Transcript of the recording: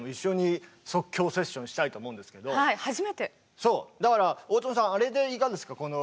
そうだから大友さんあれでいくんですか